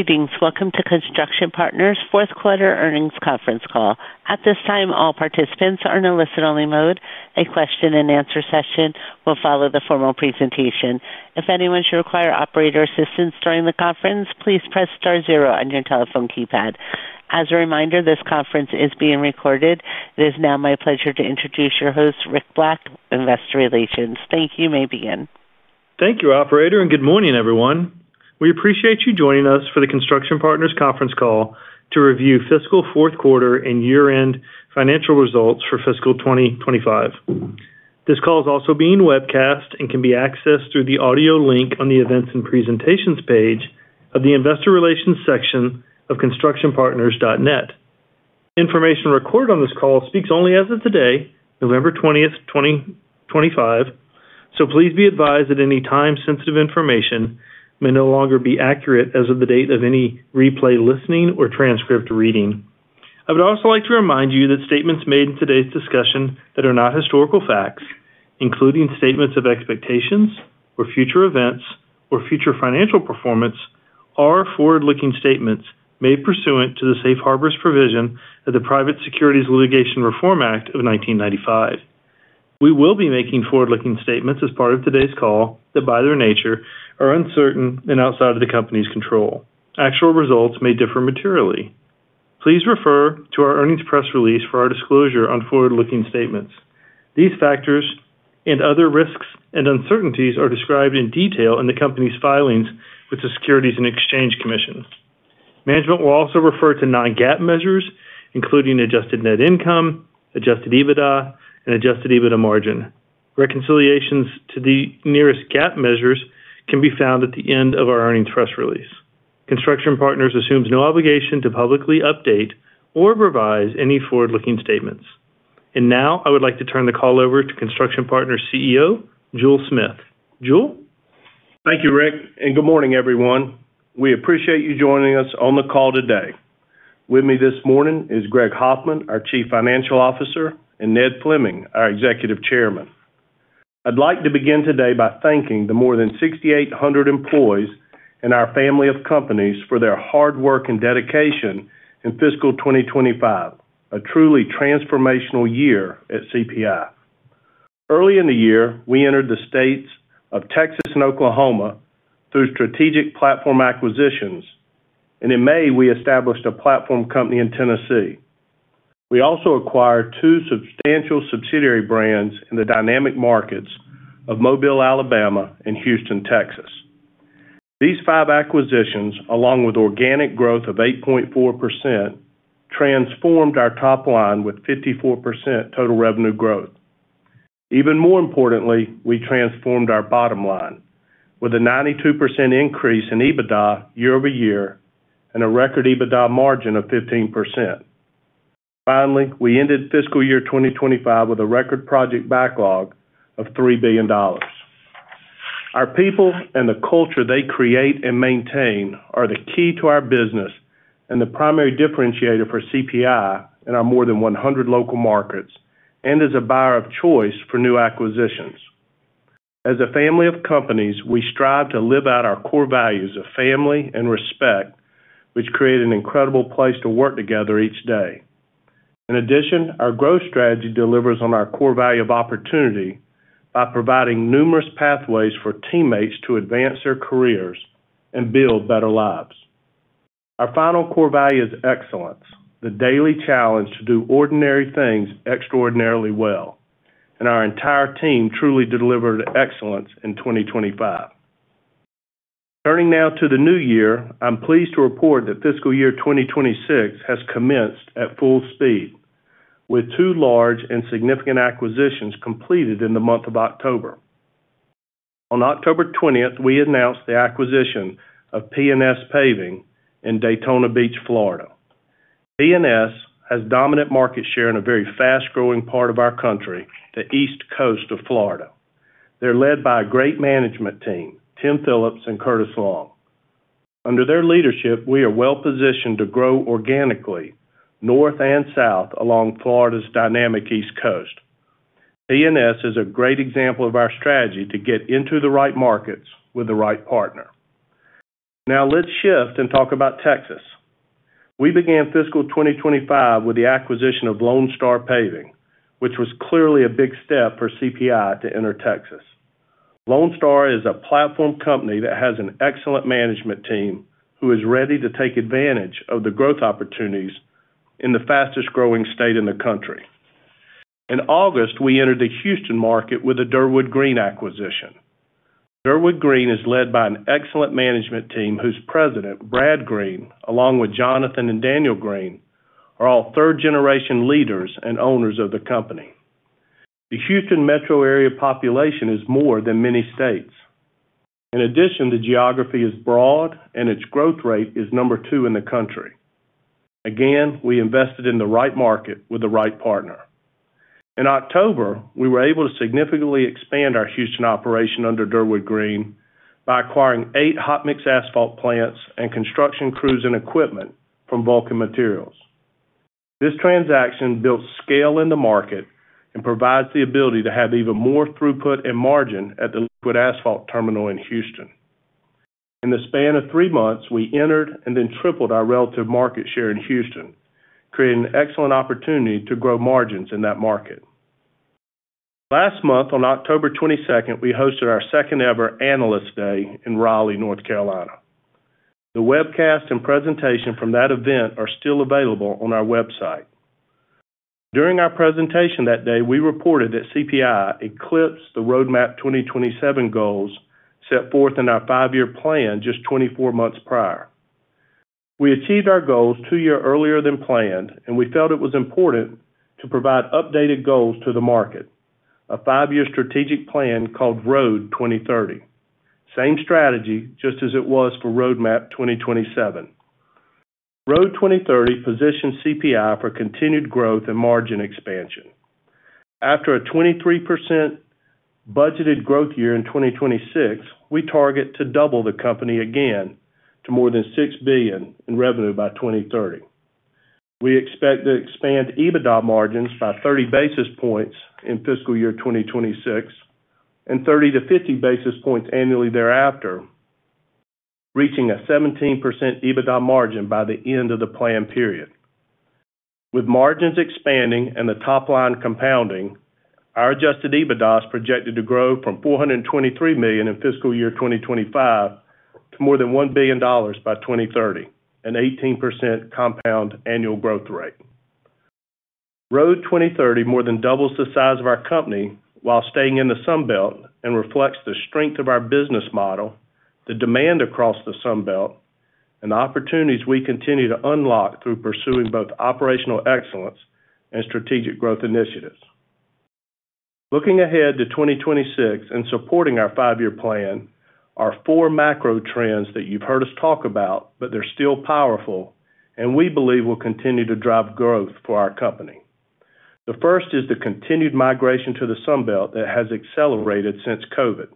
Greetings. Welcome to Construction Partners' fourth-quarter earnings conference call. At this time, all participants are in a listen-only mode. A question-and-answer session will follow the formal presentation. If anyone should require operator assistance during the conference, please press star zero on your telephone keypad. As a reminder, this conference is being recorded. It is now my pleasure to introduce your host, Rick Black, Investor Relations. Thank you. You may begin. Thank you, Operator, and good morning, everyone. We appreciate you joining us for the Construction Partners conference call to review fiscal fourth quarter and year-end financial results for fiscal 2025. This call is also being webcast and can be accessed through the audio link on the Events and Presentations page of the Investor Relations section of constructionpartners.net. Information recorded on this call speaks only as of today, November 20th, 2025, so please be advised that any time-sensitive information may no longer be accurate as of the date of any replay listening or transcript reading. I would also like to remind you that statements made in today's discussion that are not historical facts, including statements of expectations or future events or future financial performance, are forward-looking statements made pursuant to the safe harbor's provision of the Private Securities Litigation Reform Act of 1995. We will be making forward-looking statements as part of today's call that, by their nature, are uncertain and outside of the company's control. Actual results may differ materially. Please refer to our earnings press release for our disclosure on forward-looking statements. These factors and other risks and uncertainties are described in detail in the company's filings with the Securities and Exchange Commission. Management will also refer to non-GAAP measures, including adjusted net income, adjusted EBITDA, and adjusted EBITDA margin. Reconciliations to the nearest GAAP measures can be found at the end of our earnings press release. Construction Partners assumes no obligation to publicly update or revise any forward-looking statements. I would like to turn the call over to Construction Partners CEO, Jule Smith. Jule? Thank you, Rick, and good morning, everyone. We appreciate you joining us on the call today. With me this morning is Greg Hoffman, our Chief Financial Officer, and Ned Fleming, our Executive Chairman. I'd like to begin today by thanking the more than 6,800 employees and our family of companies for their hard work and dedication in fiscal 2025, a truly transformational year at CPI. Early in the year, we entered the states of Texas and Oklahoma through strategic platform acquisitions, and in May, we established a platform company in Tennessee. We also acquired two substantial subsidiary brands in the dynamic markets of Mobile, Alabama, and Houston, Texas. These five acquisitions, along with organic growth of 8.4%, transformed our top line with 54% total revenue growth. Even more importantly, we transformed our bottom line with a 92% increase in EBITDA year-over-year and a record EBITDA margin of 15%. Finally, we ended fiscal year 2025 with a record project backlog of $3 billion. Our people and the culture they create and maintain are the key to our business and the primary differentiator for CPI in our more than 100 local markets and as a buyer of choice for new acquisitions. As a family of companies, we strive to live out our core values of family and respect, which create an incredible place to work together each day. In addition, our growth strategy delivers on our core value of opportunity by providing numerous pathways for teammates to advance their careers and build better lives. Our final core value is excellence, the daily challenge to do ordinary things extraordinarily well, and our entire team truly delivered excellence in 2025. Turning now to the new year, I'm pleased to report that fiscal year 2026 has commenced at full speed, with two large and significant acquisitions completed in the month of October. On October 20th, we announced the acquisition of P&S Paving in Daytona Beach, Florida. P&S has dominant market share in a very fast-growing part of our country, the East Coast of Florida. They're led by a great management team, Tim Phillips and Curtis Long. Under their leadership, we are well-positioned to grow organically north and south along Florida's dynamic East Coast. P&S is a great example of our strategy to get into the right markets with the right partner. Now let's shift and talk about Texas. We began fiscal 2025 with the acquisition of Lone Star Paving, which was clearly a big step for CPI to enter Texas. Lone Star is a platform company that has an excellent management team who is ready to take advantage of the growth opportunities in the fastest-growing state in the country. In August, we entered the Houston market with a Derwood Green acquisition. Derwood Green is led by an excellent management team whose President, Brad Green, along with Jonathan and Daniel Green, are all third-generation leaders and owners of the company. The Houston metro area population is more than many states. In addition, the geography is broad, and its growth rate is number two in the country. Again, we invested in the right market with the right partner. In October, we were able to significantly expand our Houston operation under Derwood Green by acquiring eight hot-mix asphalt plants and construction cruising equipment from Vulcan Materials. This transaction built scale in the market and provides the ability to have even more throughput and margin at the liquid asphalt terminal in Houston. In the span of three months, we entered and then tripled our relative market share in Houston, creating an excellent opportunity to grow margins in that market. Last month, on October 22, we hosted our second-ever Analyst Day in Raleigh, North Carolina. The webcast and presentation from that event are still available on our website. During our presentation that day, we reported that CPI eclipsed the Roadmap 2027 goals set forth in our five-year plan just 24 months prior. We achieved our goals two years earlier than planned, and we felt it was important to provide updated goals to the market, a five-year strategic plan called Road 2030. Same strategy, just as it was for Roadmap 2027. Road 2030 positions CPI for continued growth and margin expansion. After a 23% budgeted growth year in 2026, we target to double the company again to more than $6 billion in revenue by 2030. We expect to expand EBITDA margins by 30 basis points in fiscal year 2026 and 30-50 basis points annually thereafter, reaching a 17% EBITDA margin by the end of the planned period. With margins expanding and the top line compounding, our adjusted EBITDA is projected to grow from $423 million in fiscal year 2025 to more than $1 billion by 2030, an 18% compound annual growth rate. Road 2030 more than doubles the size of our company while staying in the Sunbelt and reflects the strength of our business model, the demand across the Sunbelt, and the opportunities we continue to unlock through pursuing both operational excellence and strategic growth initiatives. Looking ahead to 2026 and supporting our five-year plan, there are four macro trends that you've heard us talk about, but they're still powerful, and we believe will continue to drive growth for our company. The first is the continued migration to the Sunbelt that has accelerated since COVID,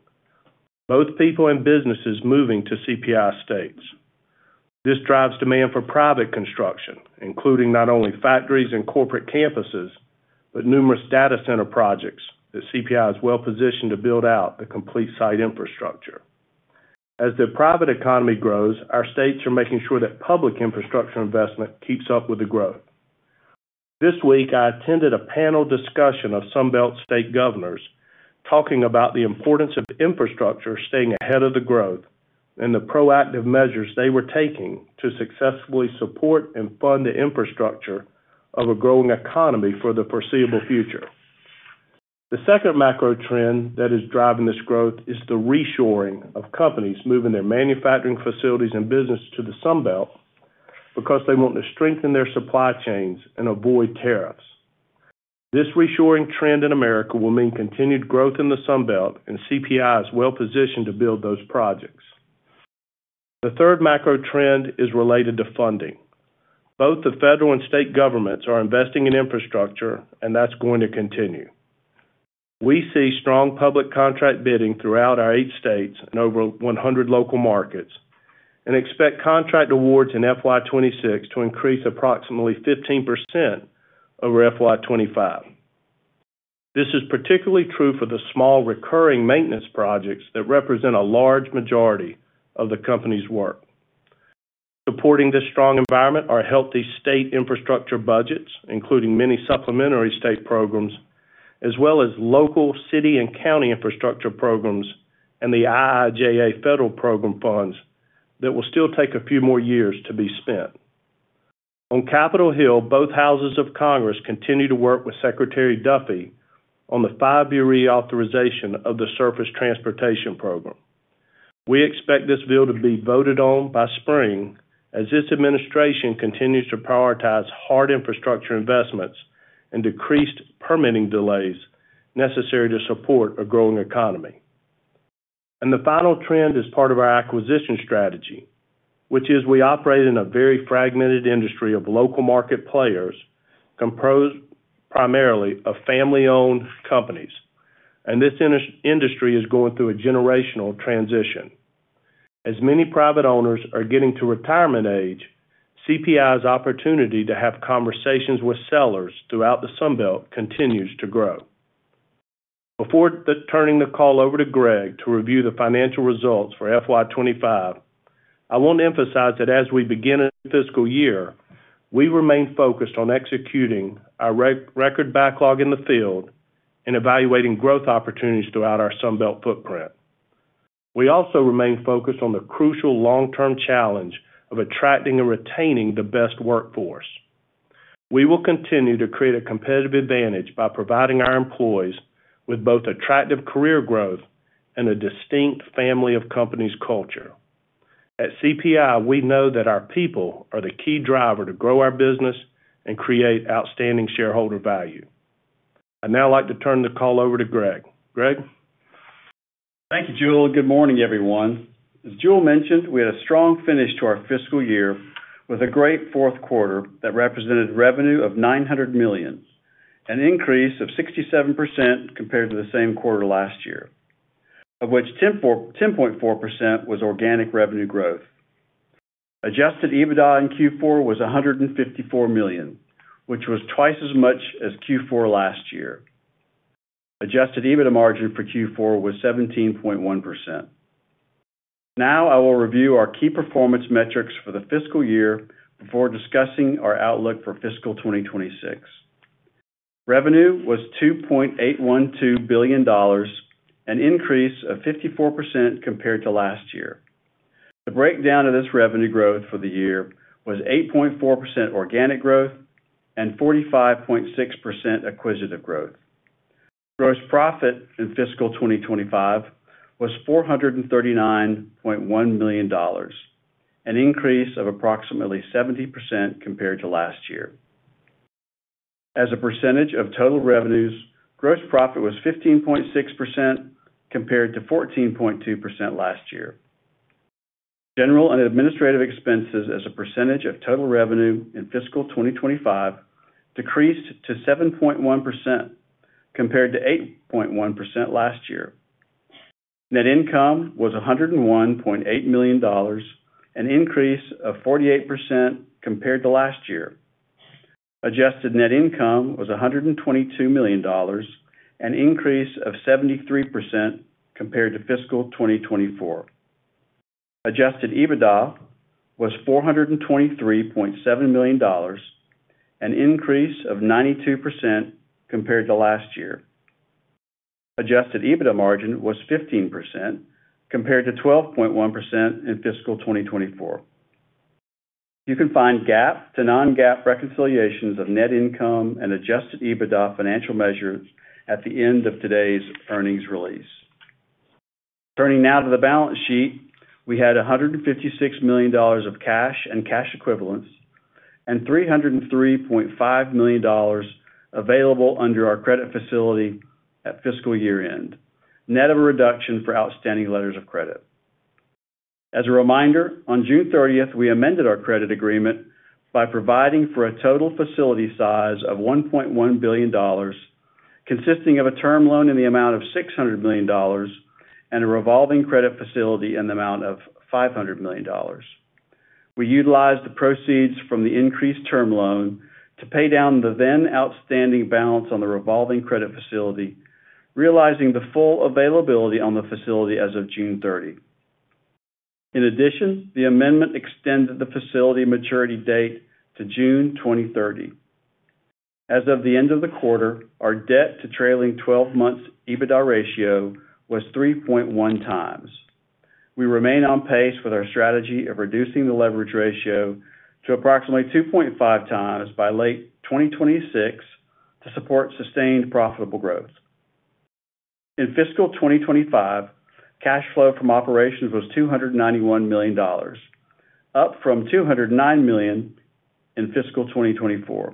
both people and businesses moving to CPI states. This drives demand for private construction, including not only factories and corporate campuses, but numerous data center projects that CPI is well-positioned to build out the complete site infrastructure. As the private economy grows, our states are making sure that public infrastructure investment keeps up with the growth. This week, I attended a panel discussion of Sunbelt state governors talking about the importance of infrastructure staying ahead of the growth and the proactive measures they were taking to successfully support and fund the infrastructure of a growing economy for the foreseeable future. The second macro trend that is driving this growth is the reshoring of companies moving their manufacturing facilities and business to the Sunbelt because they want to strengthen their supply chains and avoid tariffs. This reshoring trend in America will mean continued growth in the Sunbelt and CPI is well-positioned to build those projects. The third macro trend is related to funding. Both the federal and state governments are investing in infrastructure, and that's going to continue. We see strong public contract bidding throughout our eight states and over 100 local markets and expect contract awards in FY 2026 to increase approximately 15% over FY 2025. This is particularly true for the small recurring maintenance projects that represent a large majority of the company's work. Supporting this strong environment are healthy state infrastructure budgets, including many supplementary state programs, as well as local city and county infrastructure programs and the IIJA federal program funds that will still take a few more years to be spent. On Capitol Hill, both houses of Congress continue to work with Secretary Duffy on the five-year reauthorization of the Surface Transportation Program. We expect this bill to be voted on by spring as this administration continues to prioritize hard infrastructure investments and decreased permitting delays necessary to support a growing economy. The final trend is part of our acquisition strategy, which is we operate in a very fragmented industry of local market players composed primarily of family-owned companies, and this industry is going through a generational transition. As many private owners are getting to retirement age, CPI's opportunity to have conversations with sellers throughout the Sunbelt continues to grow. Before turning the call over to Greg to review the financial results for FY 2025, I want to emphasize that as we begin a fiscal year, we remain focused on executing our record backlog in the field and evaluating growth opportunities throughout our Sunbelt footprint. We also remain focused on the crucial long-term challenge of attracting and retaining the best workforce. We will continue to create a competitive advantage by providing our employees with both attractive career growth and a distinct family-of-companies culture. At CPI, we know that our people are the key driver to grow our business and create outstanding shareholder value. I'd now like to turn the call over to Greg. Greg? Thank you, Jule. Good morning, everyone. As Jule mentioned, we had a strong finish to our fiscal year with a great fourth quarter that represented revenue of $900 million, an increase of 67% compared to the same quarter last year, of which 10.4% was organic revenue growth. Adjusted EBITDA in Q4 was $154 million, which was twice as much as Q4 last year. Adjusted EBITDA margin for Q4 was 17.1%. Now I will review our key performance metrics for the fiscal year before discussing our outlook for fiscal 2026. Revenue was $2.812 billion, an increase of 54% compared to last year. The breakdown of this revenue growth for the year was 8.4% organic growth and 45.6% acquisitive growth. Gross profit in fiscal 2025 was $439.1 million, an increase of approximately 70% compared to last year. As a percentage of total revenues, gross profit was 15.6% compared to 14.2% last year. General and administrative expenses as a percentage of total revenue in fiscal 2025 decreased to 7.1% compared to 8.1% last year. Net income was $101.8 million, an increase of 48% compared to last year. Adjusted net income was $122 million, an increase of 73% compared to fiscal 2024. Adjusted EBITDA was $423.7 million, an increase of 92% compared to last year. Adjusted EBITDA margin was 15% compared to 12.1% in fiscal 2024. You can find GAAP to non-GAAP reconciliations of net income and adjusted EBITDA financial measures at the end of today's earnings release. Turning now to the balance sheet, we had $156 million of cash and cash equivalents and $303.5 million available under our credit facility at fiscal year-end, net of a reduction for outstanding letters of credit. As a reminder, on June 30th, we amended our credit agreement by providing for a total facility size of $1.1 billion, consisting of a term loan in the amount of $600 million and a revolving credit facility in the amount of $500 million. We utilized the proceeds from the increased term loan to pay down the then outstanding balance on the revolving credit facility, realizing the full availability on the facility as of June 30. In addition, the amendment extended the facility maturity date to June 2030. As of the end of the quarter, our debt-to-trailing 12-month EBITDA ratio was 3.1 times. We remain on pace with our strategy of reducing the leverage ratio to approximately 2.5x by late 2026 to support sustained profitable growth. In fiscal 2025, cash flow from operations was $291 million, up from $209 million in fiscal 2024.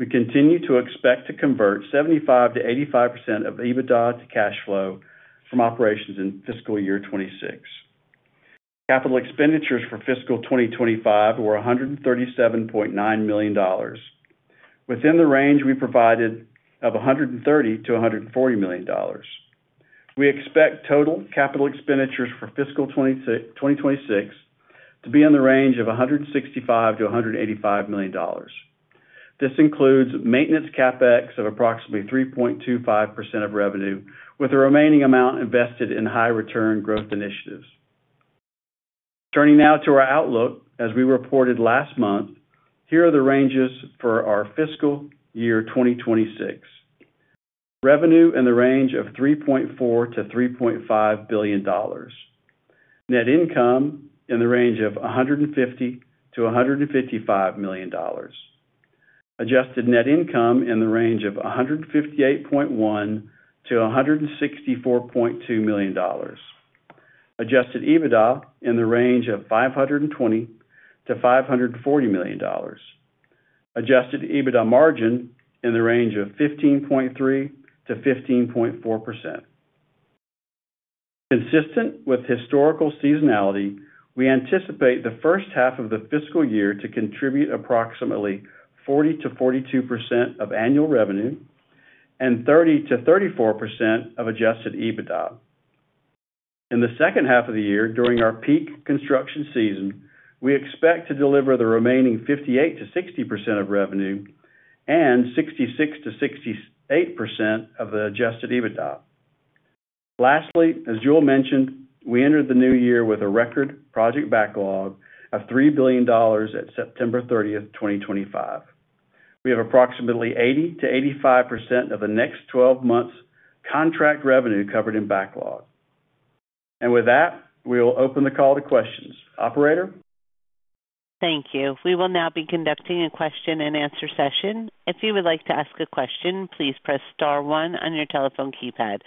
We continue to expect to convert 75%-85% of EBITDA to cash flow from operations in fiscal year 2026. Capital expenditures for fiscal 2025 were $137.9 million, within the range we provided of $130 million-$140 million. We expect total capital expenditures for fiscal 2026 to be in the range of $165 million-$185 million. This includes maintenance CapEx of approximately 3.25% of revenue, with the remaining amount invested in high-return growth initiatives. Turning now to our outlook, as we reported last month, here are the ranges for our fiscal year 2026. Revenue in the range of $3.4 billion-$3.5 billion. Net income in the range of $150 million-$155 million. Adjusted net income in the range of $158.1 million-$164.2 million. Adjusted EBITDA in the range of $520 million-$540 million. Adjusted EBITDA margin in the range of 15.3%-15.4%. Consistent with historical seasonality, we anticipate the first half of the fiscal year to contribute approximately 40%-42% of annual revenue and 30%-34% of adjusted EBITDA. In the second half of the year, during our peak construction season, we expect to deliver the remaining 58%-60% of revenue and 66%-68% of the adjusted EBITDA. Lastly, as Jule mentioned, we entered the new year with a record project backlog of $3 billion at September 30, 2025. We have approximately 80%-85% of the next 12 months' contract revenue covered in backlog. With that, we will open the call to questions. Operator? Thank you. We will now be conducting a question-and-answer session. If you would like to ask a question, please press star one on your telephone keypad.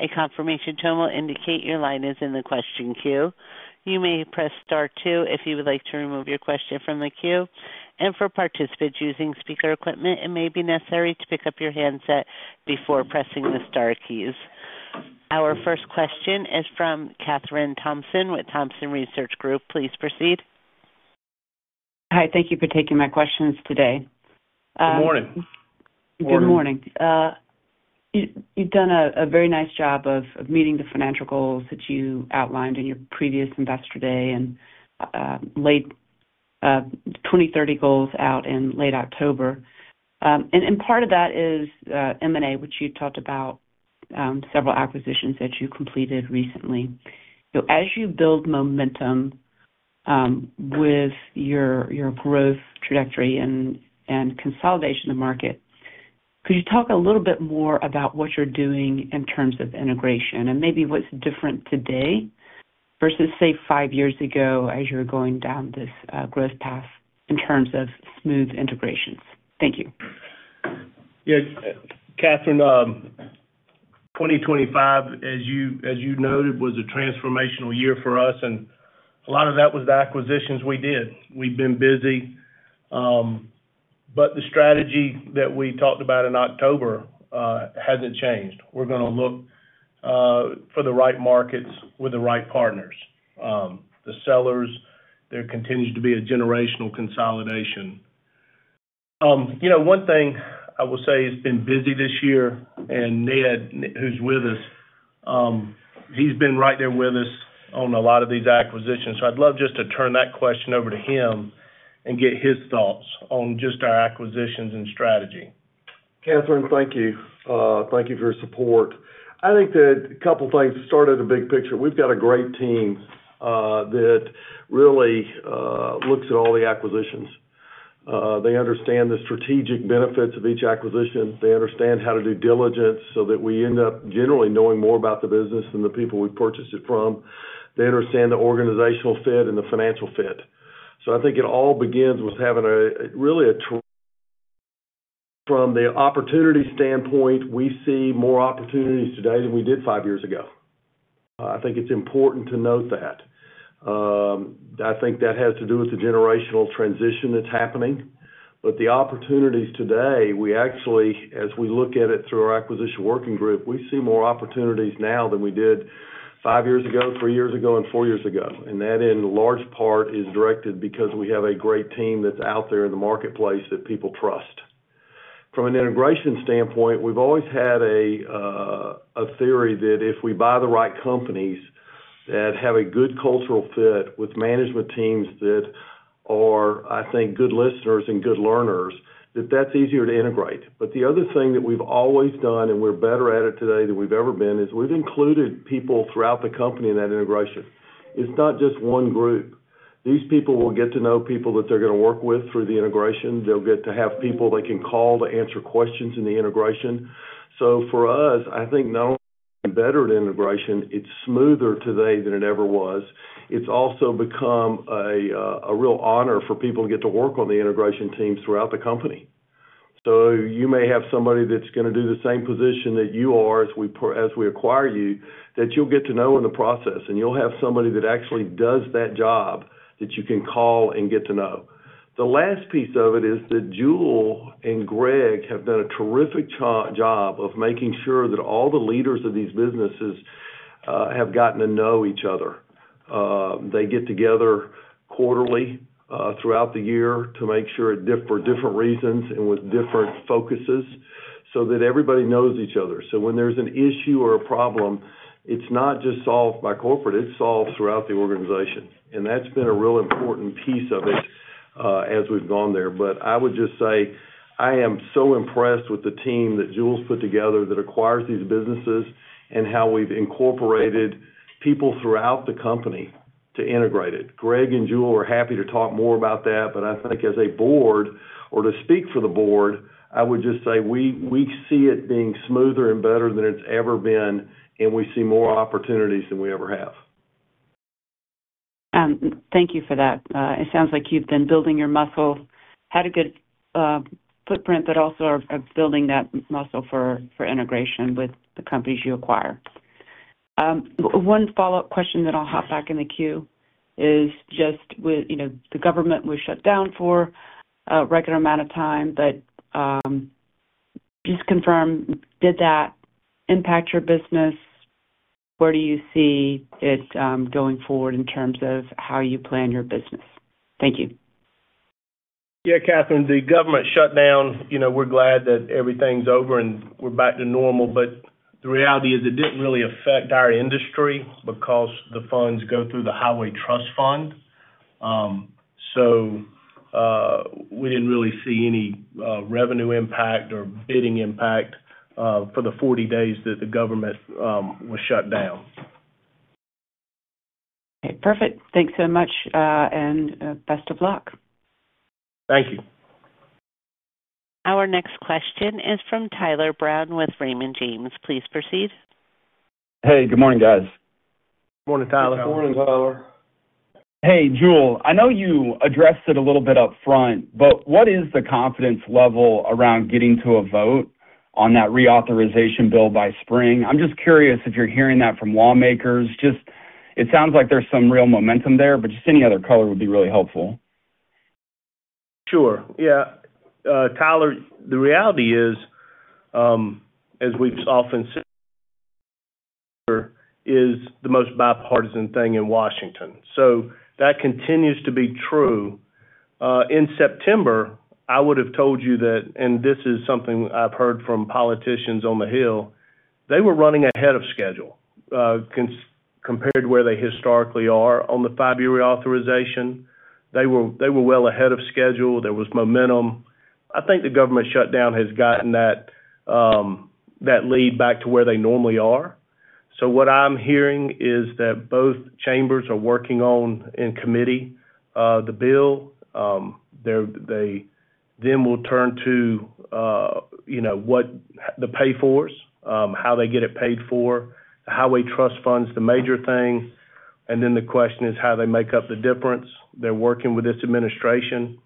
A confirmation tone will indicate your line is in the question queue. You may press star two if you would like to remove your question from the queue. For participants using speaker equipment, it may be necessary to pick up your handset before pressing the star keys. Our first question is from Kathryn Thompson with Thompson Research Group. Please proceed. Hi. Thank you for taking my questions today. Good morning. Good morning. You've done a very nice job of meeting the financial goals that you outlined in your previous Investor Day and late 2030 goals out in late October. Part of that is M&A, which you talked about several acquisitions that you completed recently. As you build momentum with your growth trajectory and consolidation of the market, could you talk a little bit more about what you're doing in terms of integration and maybe what's different today versus, say, five years ago as you're going down this growth path in terms of smooth integrations? Thank you. Yeah. Kathryn, 2025, as you noted, was a transformational year for us, and a lot of that was the acquisitions we did. We've been busy, but the strategy that we talked about in October hasn't changed. We're going to look for the right markets with the right partners. The sellers, there continues to be a generational consolidation. One thing I will say has been busy this year, and Ned, who's with us, he's been right there with us on a lot of these acquisitions. I would love just to turn that question over to him and get his thoughts on just our acquisitions and strategy. Kathryn, thank you. Thank you for your support. I think that a couple of things—start at the big picture. We've got a great team that really looks at all the acquisitions. They understand the strategic benefits of each acquisition. They understand how to do diligence so that we end up generally knowing more about the business than the people we've purchased it from. They understand the organizational fit and the financial fit. I think it all begins with having really a—from the opportunity standpoint, we see more opportunities today than we did five years ago. I think it's important to note that. I think that has to do with the generational transition that's happening. The opportunities today, we actually, as we look at it through our acquisition working group, we see more opportunities now than we did five years ago, three years ago, and four years ago. That, in large part, is directed because we have a great team that's out there in the marketplace that people trust. From an integration standpoint, we've always had a theory that if we buy the right companies that have a good cultural fit with management teams that are, I think, good listeners and good learners, that's easier to integrate. The other thing that we've always done, and we're better at it today than we've ever been, is we've included people throughout the company in that integration. It's not just one group. These people will get to know people that they're going to work with through the integration. They'll get to have people they can call to answer questions in the integration. For us, I think not only is it better at integration, it's smoother today than it ever was. It's also become a real honor for people to get to work on the integration teams throughout the company. You may have somebody that's going to do the same position that you are as we acquire you that you'll get to know in the process, and you'll have somebody that actually does that job that you can call and get to know. The last piece of it is that Jule and Greg have done a terrific job of making sure that all the leaders of these businesses have gotten to know each other. They get together quarterly throughout the year to make sure for different reasons and with different focuses so that everybody knows each other. When there's an issue or a problem, it's not just solved by corporate; it's solved throughout the organization. That's been a real important piece of it as we've gone there. I would just say I am so impressed with the team that Jule's put together that acquires these businesses and how we've incorporated people throughout the company to integrate it. Greg and Jule are happy to talk more about that, but I think as a board or to speak for the board, I would just say we see it being smoother and better than it's ever been, and we see more opportunities than we ever have. Thank you for that. It sounds like you've been building your muscle, had a good footprint, but also are building that muscle for integration with the companies you acquire. One follow-up question that I'll hop back in the queue is just with the government was shut down for a regular amount of time, but just confirm, did that impact your business? Where do you see it going forward in terms of how you plan your business? Thank you. Yeah, Kathryn, the government shut down. We're glad that everything's over and we're back to normal, but the reality is it didn't really affect our industry because the funds go through the Highway Trust Fund. So we didn't really see any revenue impact or bidding impact for the 40 days that the government was shut down. Okay. Perfect. Thanks so much, and best of luck. Thank you. Our next question is from Tyler Brown with Raymond James. Please proceed. Hey, good morning, guys. Morning, Tyler. Morning, Tyler. Hey, Jule. I know you addressed it a little bit up front, but what is the confidence level around getting to a vote on that reauthorization bill by spring? I'm just curious if you're hearing that from lawmakers. It sounds like there's some real momentum there, but just any other color would be really helpful. Sure. Yeah. Tyler, the reality is, as we've often said, is the most bipartisan thing in Washington. That continues to be true. In September, I would have told you that, and this is something I've heard from politicians on the Hill, they were running ahead of schedule compared to where they historically are on the five-year reauthorization. They were well ahead of schedule. There was momentum. I think the government shutdown has gotten that lead back to where they normally are. What I'm hearing is that both chambers are working on, in committee, the bill. They then will turn to what the pay-fors, how they get it paid for, the Highway Trust Fund's the major thing. The question is how they make up the difference. They're working with this administration.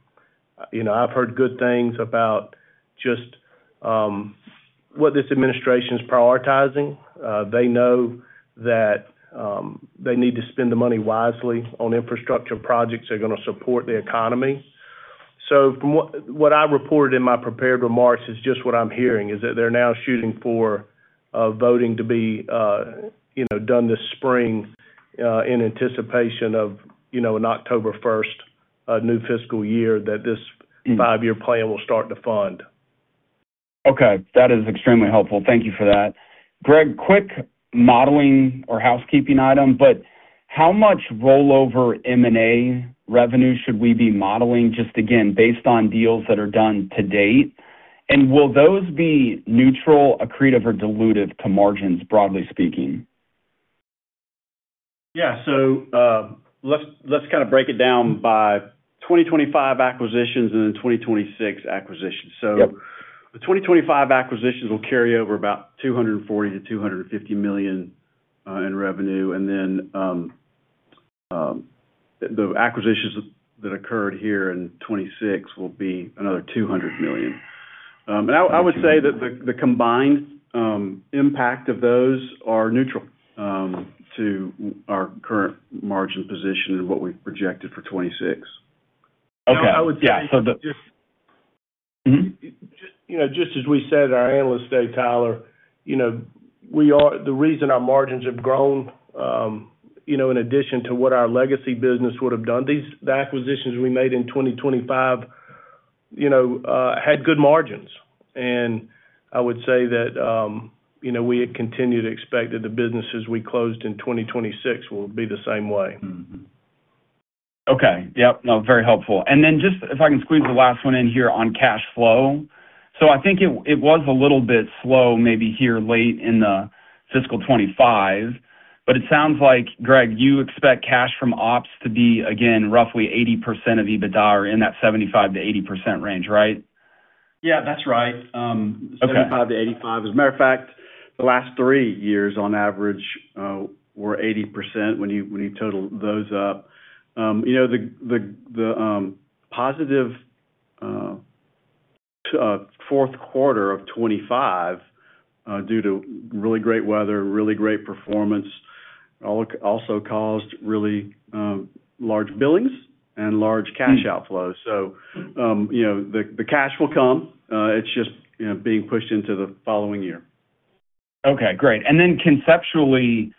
I've heard good things about just what this administration's prioritizing. They know that they need to spend the money wisely on infrastructure projects that are going to support the economy. What I reported in my prepared remarks is just what I'm hearing, is that they're now shooting for voting to be done this spring in anticipation of an October 1st new fiscal year that this five-year plan will start to fund. Okay. That is extremely helpful. Thank you for that. Greg, quick modeling or housekeeping item, but how much rollover M&A revenue should we be modeling, just again, based on deals that are done to date? Will those be neutral, accretive, or dilutive to margins, broadly speaking? Yeah. Let's kind of break it down by 2025 acquisitions and then 2026 acquisitions. The 2025 acquisitions will carry over about $240 million-$250 million in revenue. The acquisitions that occurred here in 2026 will be another $200 million. I would say that the combined impact of those are neutral to our current margin position and what we've projected for 2026. Okay. Yeah. The. Just as we said, our analysts say, Tyler, the reason our margins have grown, in addition to what our legacy business would have done, the acquisitions we made in 2025 had good margins. I would say that we continue to expect that the businesses we closed in 2026 will be the same way. Okay. Yep. No, very helpful. If I can squeeze the last one in here on cash flow. I think it was a little bit slow maybe here late in the fiscal 2025, but it sounds like, Greg, you expect cash from ops to be, again, roughly 80% of EBITDA or in that 75-80% range, right? Yeah, that's right. Okay. 75%-85%. As a matter of fact, the last three years, on average, were 80% when you total those up. The positive fourth quarter of 2025, due to really great weather, really great performance, also caused really large billings and large cash outflow. The cash will come. It's just being pushed into the following year. Okay. Great. And then conceptually,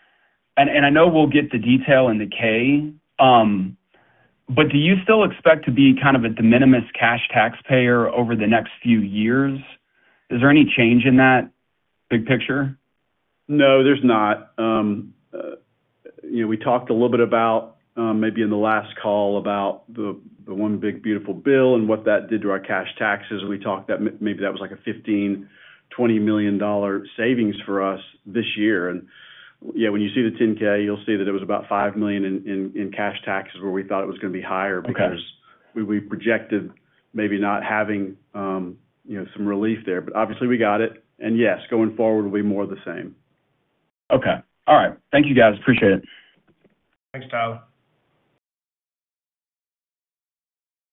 and I know we'll get the detail in the K, but do you still expect to be kind of a de minimis cash taxpayer over the next few years? Is there any change in that big picture? No, there's not. We talked a little bit about maybe in the last call about the one big beautiful bill and what that did to our cash taxes. We talked that maybe that was like a $15 million-$20 million savings for us this year. Yeah, when you see the 10-K, you'll see that it was about $5 million in cash taxes where we thought it was going to be higher because we projected maybe not having some relief there. Obviously, we got it. Yes, going forward, it will be more of the same. Okay. All right. Thank you, guys. Appreciate it. Thanks, Tyler.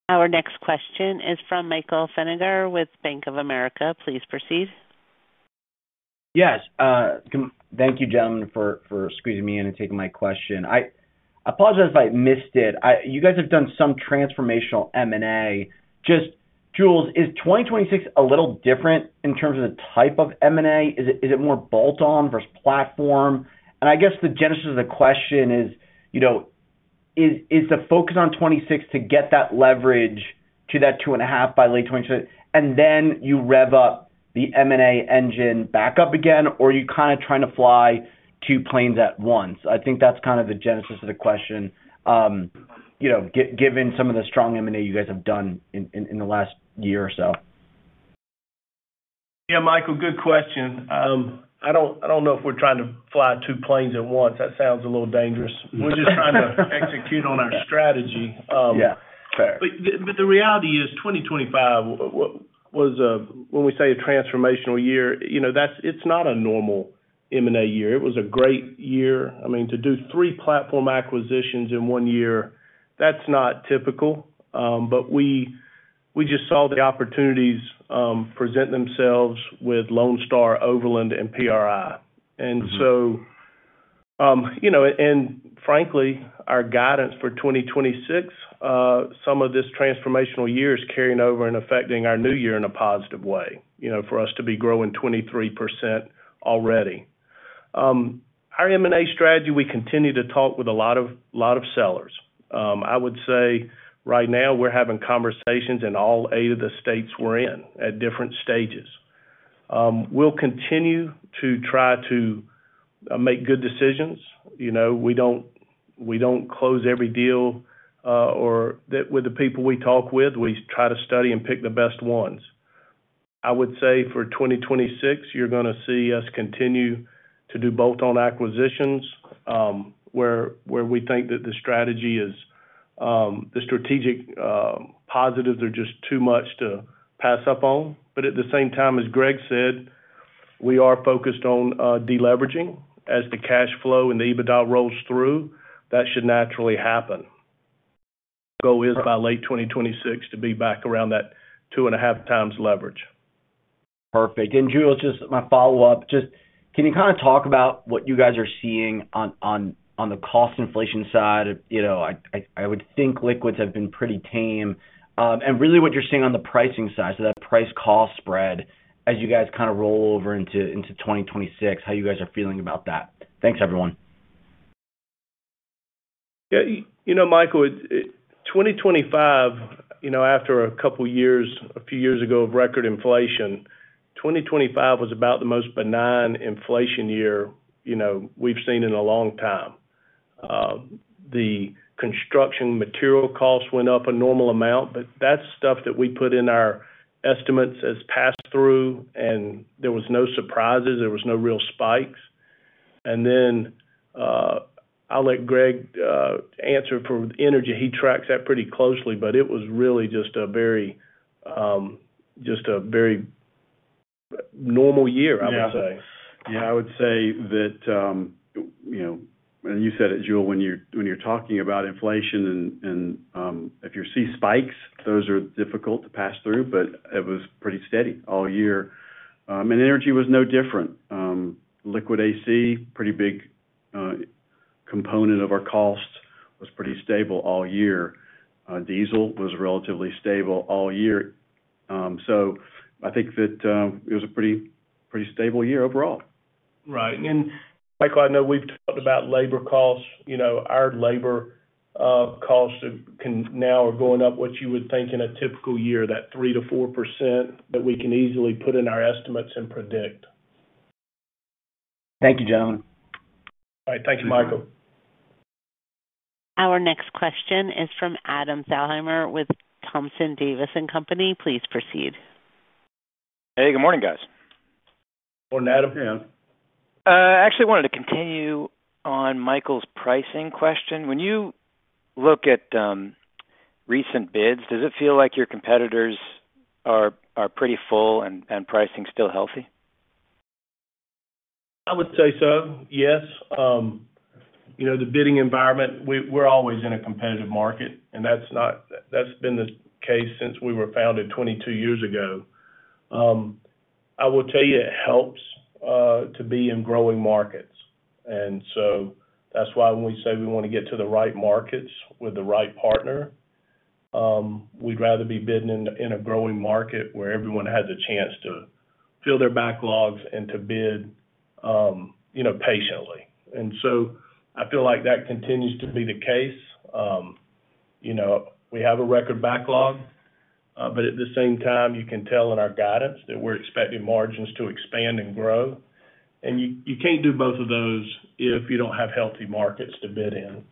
Our next question is from Michael Feniger with Bank of America. Please proceed. Yes. Thank you, gentlemen, for squeezing me in and taking my question. I apologize if I missed it. You guys have done some transformational M&A. Just, Jule, is 2026 a little different in terms of the type of M&A? Is it more bolt-on versus platform? I guess the genesis of the question is, is the focus on 2026 to get that leverage to that two and a half by late 2026, and then you rev up the M&A engine back up again, or are you kind of trying to fly two planes at once? I think that's kind of the genesis of the question, given some of the strong M&A you guys have done in the last year or so. Yeah, Michael, good question. I don't know if we're trying to fly two planes at once. That sounds a little dangerous. We're just trying to execute on our strategy. Yeah. Fair. The reality is, 2025, when we say a transformational year, it's not a normal M&A year. It was a great year. I mean, to do three platform acquisitions in one year, that's not typical. We just saw the opportunities present themselves with Lone Star, Overland, and PRI. Frankly, our guidance for 2026, some of this transformational year is carrying over and affecting our new year in a positive way for us to be growing 23% already. Our M&A strategy, we continue to talk with a lot of sellers. I would say right now, we're having conversations in all eight of the states we're in at different stages. We'll continue to try to make good decisions. We don't close every deal with the people we talk with. We try to study and pick the best ones. I would say for 2026, you're going to see us continue to do bolt-on acquisitions where we think that the strategic positives are just too much to pass up on. At the same time, as Greg said, we are focused on deleveraging as the cash flow and the EBITDA rolls through. That should naturally happen. Our goal is by late 2026 to be back around that two and a half times leverage. Perfect. And Jule, just my follow-up, just can you kind of talk about what you guys are seeing on the cost inflation side? I would think liquids have been pretty tame. And really what you're seeing on the pricing side, so that price-cost spread as you guys kind of roll over into 2026, how you guys are feeling about that. Thanks, everyone. Yeah. You know, Michael, 2025, after a couple of years, a few years ago of record inflation, 2025 was about the most benign inflation year we've seen in a long time. The construction material costs went up a normal amount, but that's stuff that we put in our estimates as pass-through, and there were no surprises. There were no real spikes. I'll let Greg answer for energy. He tracks that pretty closely, but it was really just a very normal year, I would say. Yeah. Yeah. I would say that, and you said it, Jule, when you're talking about inflation, and if you see spikes, those are difficult to pass through, but it was pretty steady all year. And energy was no different. Liquid AC, pretty big component of our costs, was pretty stable all year. Diesel was relatively stable all year. So I think that it was a pretty stable year overall. Right. Michael, I know we've talked about labor costs. Our labor costs now are going up what you would think in a typical year, that 3%-4% that we can easily put in our estimates and predict. Thank you, gentlemen. All right. Thank you, Michael. Our next question is from Adam Thalhimer with Thompson Davis & Company. Please proceed. Hey, good morning, guys. Morning, Adam. Hey, Adam. Actually, I wanted to continue on Michael's pricing question. When you look at recent bids, does it feel like your competitors are pretty full and pricing still healthy? I would say so, yes. The bidding environment, we're always in a competitive market, and that's been the case since we were founded 22 years ago. I will tell you, it helps to be in growing markets. And so that's why when we say we want to get to the right markets with the right partner, we'd rather be bidding in a growing market where everyone has a chance to fill their backlogs and to bid patiently. And so I feel like that continues to be the case. We have a record backlog, but at the same time, you can tell in our guidance that we're expecting margins to expand and grow. And you can't do both of those if you don't have healthy markets to bid in.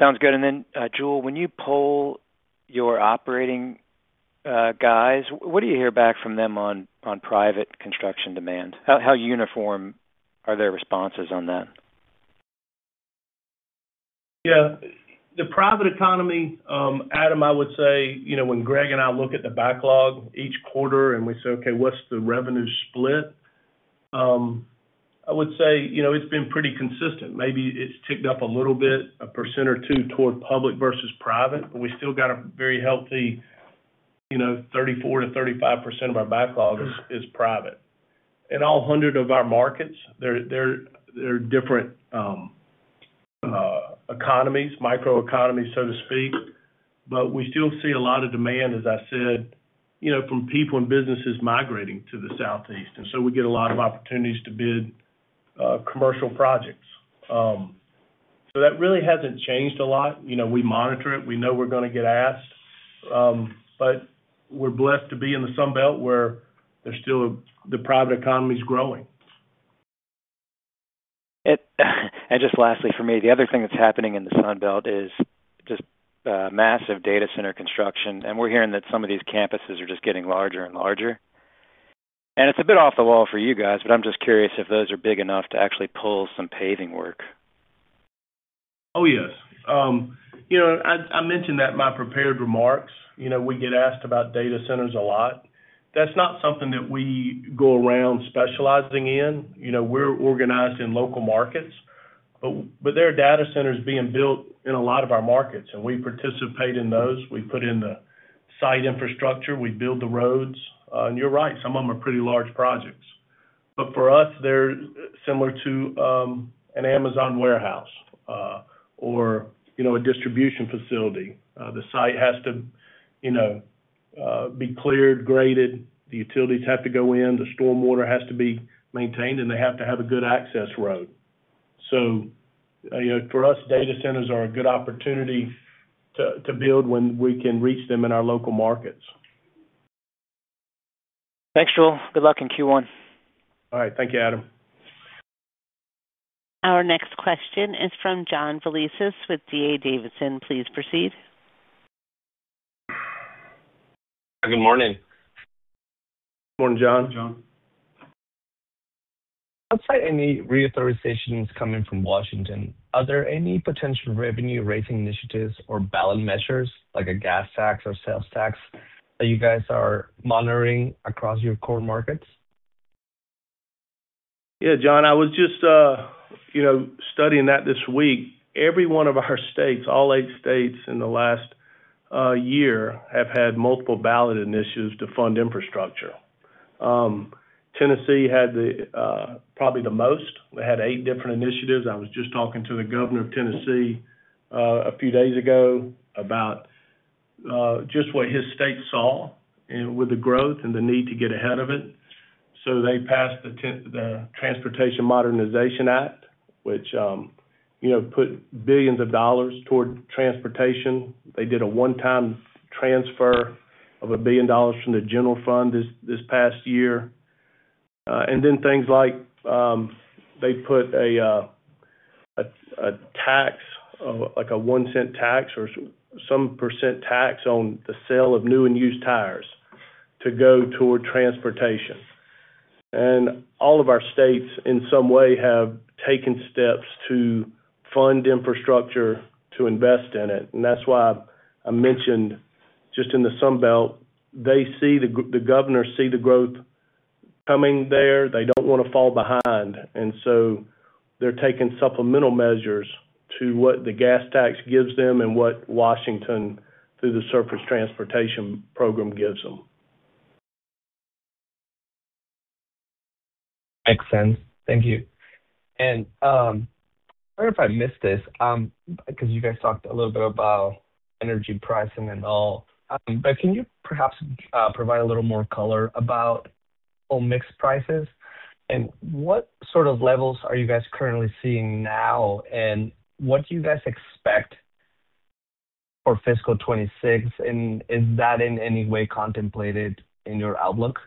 Sounds good. And then, Jule, when you poll your operating guys, what do you hear back from them on private construction demand? How uniform are their responses on that? Yeah. The private economy, Adam, I would say, when Greg and I look at the backlog each quarter and we say, "Okay, what's the revenue split?" I would say it's been pretty consistent. Maybe it's ticked up a little bit, a percent or two toward public versus private, but we still got a very healthy 34% to 35% of our backlog is private. In all 100 of our markets, they're different economies, microeconomies, so to speak. But we still see a lot of demand, as I said, from people and businesses migrating to the southeast. And so we get a lot of opportunities to bid commercial projects. So that really hasn't changed a lot. We monitor it. We know we're going to get asked. But we're blessed to be in the Sunbelt where the private economy is growing. Just lastly for me, the other thing that's happening in the Sunbelt is just massive data center construction. We're hearing that some of these campuses are just getting larger and larger. It's a bit off the wall for you guys, but I'm just curious if those are big enough to actually pull some paving work. Oh, yes. I mentioned that in my prepared remarks. We get asked about data centers a lot. That's not something that we go around specializing in. We're organized in local markets, but there are data centers being built in a lot of our markets, and we participate in those. We put in the site infrastructure. We build the roads. And you're right, some of them are pretty large projects. But for us, they're similar to an Amazon warehouse or a distribution facility. The site has to be cleared, graded. The utilities have to go in. The stormwater has to be maintained, and they have to have a good access road. So for us, data centers are a good opportunity to build when we can reach them in our local markets. Thanks, Jule. Good luck in Q1. All right. Thank you, Adam. Our next question is from John Felicis with DA Davison. Please proceed. Good morning. Morning, John. I'll say any reauthorizations coming from Washington, are there any potential revenue-raising initiatives or ballot measures like a gas tax or sales tax that you guys are monitoring across your core markets? Yeah, John, I was just studying that this week. Every one of our states, all eight states in the last year, have had multiple ballot initiatives to fund infrastructure. Tennessee had probably the most. They had eight different initiatives. I was just talking to the Governor of Tennessee a few days ago about just what his state saw with the growth and the need to get ahead of it. They passed the Transportation Modernization Act, which put billions of dollars toward transportation. They did a one-time transfer of $1 billion from the general fund this past year. Things like they put a tax, like a one-cent tax or some % tax on the sale of new and used tires to go toward transportation. All of our states, in some way, have taken steps to fund infrastructure to invest in it. That is why I mentioned just in the Sunbelt, they see the governors see the growth coming there. They do not want to fall behind. They are taking supplemental measures to what the gas tax gives them and what Washington, through the Surface Transportation Program, gives them. Makes sense. Thank you. I don't know if I missed this because you guys talked a little bit about energy pricing and all. Can you perhaps provide a little more color about hot-mix prices? What sort of levels are you guys currently seeing now, and what do you guys expect for fiscal 2026? Is that in any way contemplated in your outlook?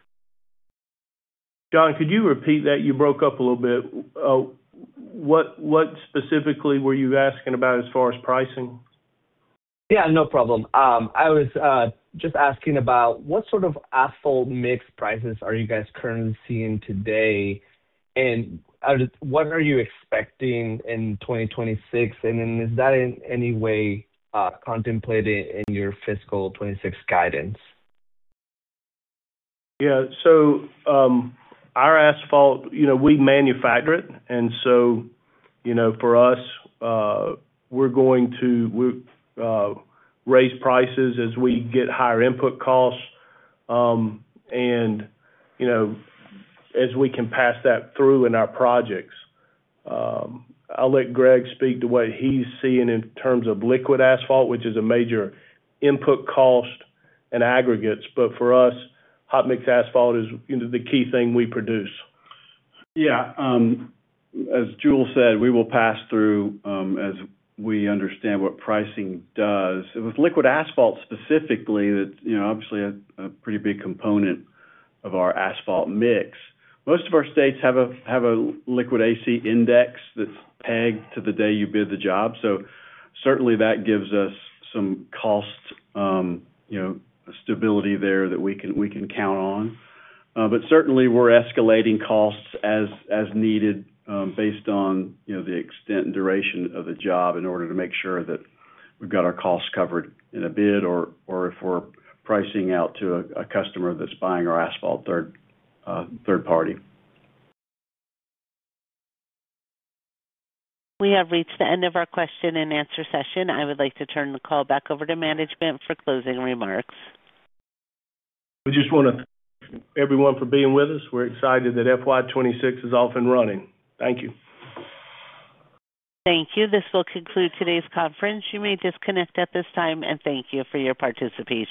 John, could you repeat that? You broke up a little bit. What specifically were you asking about as far as pricing? Yeah, no problem. I was just asking about what sort of asphalt mix prices are you guys currently seeing today, and what are you expecting in 2026? Is that in any way contemplated in your fiscal 2026 guidance? Yeah. Our asphalt, we manufacture it. For us, we're going to raise prices as we get higher input costs and as we can pass that through in our projects. I'll let Greg speak to what he's seeing in terms of liquid asphalt, which is a major input cost and aggregates. For us, hot mix asphalt is the key thing we produce. Yeah. As Jule said, we will pass through as we understand what pricing does. With liquid asphalt specifically, that's obviously a pretty big component of our asphalt mix. Most of our states have a liquid AC index that's pegged to the day you bid the job. That gives us some cost stability there that we can count on. Certainly, we're escalating costs as needed based on the extent and duration of the job in order to make sure that we've got our costs covered in a bid or if we're pricing out to a customer that's buying our asphalt third party. We have reached the end of our question and answer session. I would like to turn the call back over to management for closing remarks. We just want to thank everyone for being with us. We're excited that FY 2026 is off and running. Thank you. Thank you. This will conclude today's conference. You may disconnect at this time, and thank you for your participation.